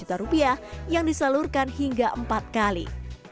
dua empat juta rupiah yang disalurkan hingga empat kali